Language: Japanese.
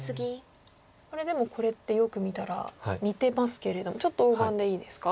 これでもこれってよく見たら似てますけれどもちょっと大盤でいいですか？